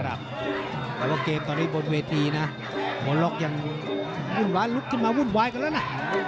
แต่ว่าเกมตอนนี้บนเวทีนะหัวล็อกยังวุ่นวายลุกขึ้นมาวุ่นวายกันแล้วนะ